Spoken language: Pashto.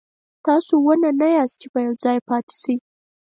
تاسو ونه نه یاست چې په یو ځای پاتې شئ.